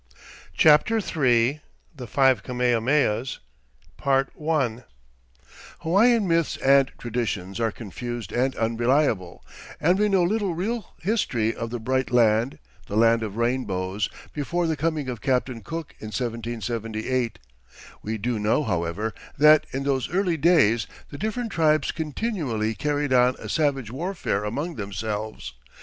CHAPTER III THE FIVE KAMEHAMEHAS Hawaiian myths and traditions are confused and unreliable, and we know little real history of the "Bright Land," the "Land of Rainbows," before the coming of Captain Cook, in 1778. We do know, however, that, in those early days, the different tribes continually carried on a savage warfare among themselves.